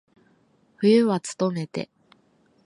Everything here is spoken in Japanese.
冬はつとめて。